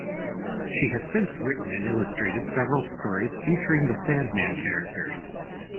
She has since written and illustrated several stories featuring the Sandman characters.